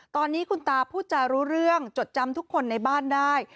ตอนนี้คุณตาพูดจารู้เรื่องจดจำทุกคนในบ้านได้